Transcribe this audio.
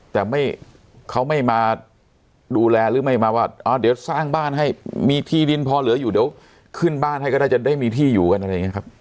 แต่ไม่เขาไม่มาดูแลหรือไม่มาว่าเดี๋ยวสร้างบ้านให้มีที่ดินพอเหลืออยู่เดี๋ยวขึ้นบ้านให้ก็ได้จะได้มีที่อยู่กันอะไรอย่างนี้ครับ